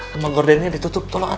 kemang gordinya ditutup tolong atuh